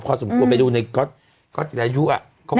พอสมมติว่าไปดูในก๊อตอีกรายุอะ